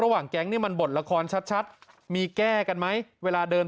ระหว่างแก๊งเนี้ยมันบทละครชัดมีแก้กันไหมเวลาเดิน